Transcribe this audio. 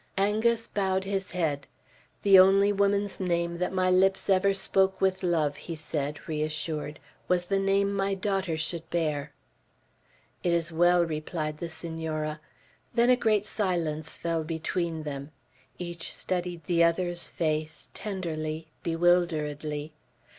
Angus bowed his head. "The only woman's name that my lips ever spoke with love," he said, reassured, "was the name my daughter should bear." "It is well," replied the Senora. Then a great silence fell between them. Each studied the other's face, tenderly, bewilderedly.